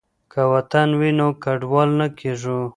که وطن وي نو کډوال نه کیږو.